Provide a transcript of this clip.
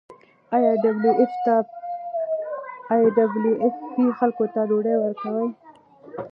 آیا ډبلیو ایف پی خلکو ته ډوډۍ ورکوي؟